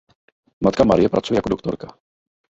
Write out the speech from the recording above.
Matka Marie pracuje jako doktorka.